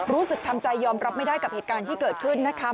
รู้สึกทำใจยอมรับไม่ได้กับเหตุการณ์ที่เกิดขึ้นนะคะ